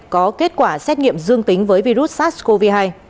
có kết quả xét nghiệm dương tính với virus sars cov hai